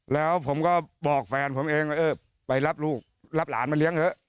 แล้วผมก็บอกแฟนผมเองว่าเออไปรับลูกรับหลานมาเลี้ยงเถอะ